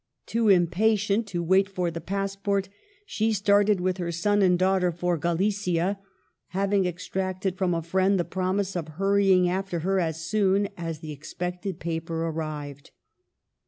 Too impatient to wait for the passport, she started with her son and daughter for Galicia, having extracted from a friend the promise of hurrying after her as soon as the expected paper arrived.